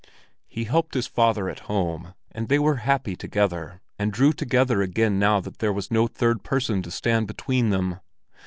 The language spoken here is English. He helped his father at home, and they were happy together and drew together again now that there was no third person to stand between them.